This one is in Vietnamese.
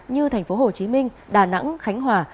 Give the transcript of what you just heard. như thành phố hồ chí minh đà nẵng khánh hòa